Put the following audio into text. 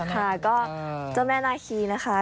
ค่ะก็เจ้าแม่นาคีนะคะ